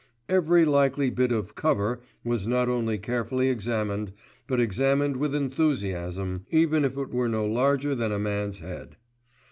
Every likely bit of "cover" was not only carefully examined, but examined with enthusiasm, even if it were no larger than a man's head.